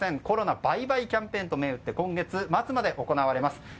コロナバイバイキャンペーンと銘打って今月末まで行われます。